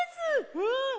うん！